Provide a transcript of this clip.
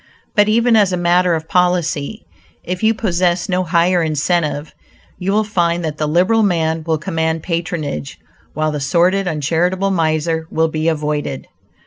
But even as a matter of policy, if you possess no higher incentive, you will find that the liberal man will command patronage, while the sordid, uncharitable miser will be avoided.